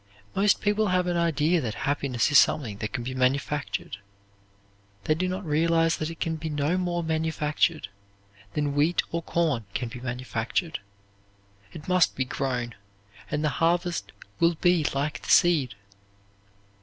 Most people have an idea that happiness is something that can be manufactured. They do not realize that it can no more be manufactured than wheat or corn can be manufactured. It must be grown, and the harvest will be like the seed.